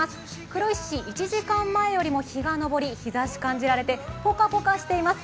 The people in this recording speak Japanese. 黒石市１時間前よりも日が昇り日ざし感じられてぽかぽかしています。